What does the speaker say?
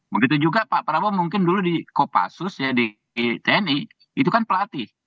begitu juga pak prabowo mungkin dulu di kopassus ya di tni itu kan pelatih